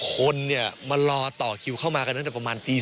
คนเนี่ยมารอต่อคิวเข้ามากันตั้งแต่ประมาณตี๓